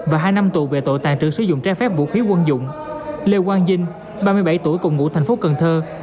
và hai năm tù về tội tàn trự sử dụng trái phép vũ khí quân dụng lê quang dinh ba mươi bảy tuổi cùng ngũ thành phố cần thơ